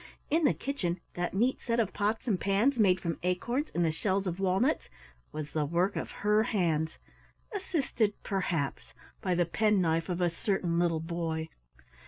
In the kitchen that neat set of pots and pans made from acorns and the shells of walnuts was the work of her hands, assisted, perhaps, by the penknife of a certain little boy.